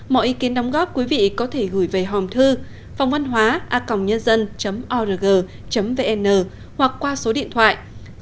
mọi ý kiến đóng góp quý vị có thể gửi về hòm thư phongvănhoaacongnhân dân org vn hoặc qua số điện thoại bốn trăm ba mươi hai sáu trăm sáu mươi chín năm trăm linh tám